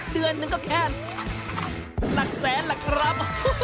เดือนหนึ่งก็แค่หลักแสนแหละครับ